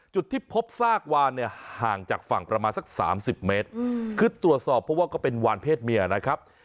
จุดที่พบซากวานเนี่ยห่างจากฝั่งประมาณสัก๓๐เมตรคือตรวจสอบเพราะว่าก็เป็นวานเพศเมียนะครับ